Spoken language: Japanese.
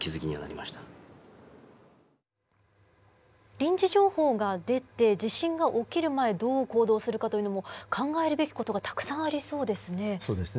臨時情報が出て地震が起きる前どう行動するかというのも考えるべき事がたくさんありそうですね。